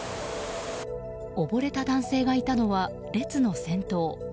溺れた男性がいたのは列の先頭。